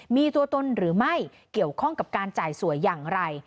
มีตัวตนหรือไม่เกี่ยวข้องกับการจ่ายสวยอย่างไร